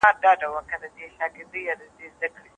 په احاديثو کي اسانه نکاح او ازدواج د برکت سبب بلل سوې ده.